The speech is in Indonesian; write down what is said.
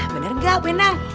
bener gak benang